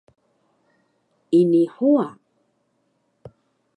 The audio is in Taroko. Ini huwa